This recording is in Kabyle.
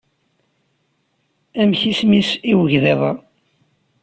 Amek isem-is i ugḍiḍ-a?